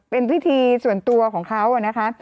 เป็นพิธีส่วนตัวของเขานะคะ